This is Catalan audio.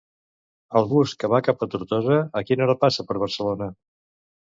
El bus que va cap a Tortosa, a quina hora passa per Barcelona?